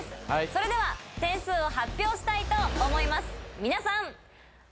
それでは点数を発表したいと思います。